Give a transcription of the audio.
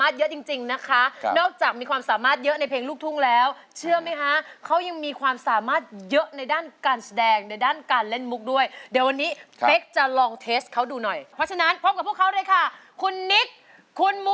ทำไมอ่ะนึกว่าเดินงูกัดป่าเขียว